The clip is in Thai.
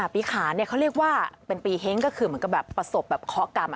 ปีขาญเขาเรียกว่าเป็นปีเฮ้งก็คือมันก็แบบประสบข้อกรรม